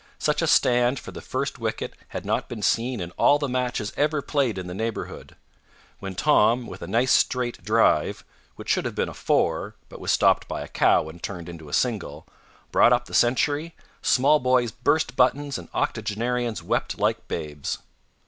Such a stand for the first wicket had not been seen in all the matches ever played in the neighbourhood. When Tom, with a nice straight drive (which should have been a 4, but was stopped by a cow and turned into a single), brought up the century, small boys burst buttons and octogenarians wept like babes.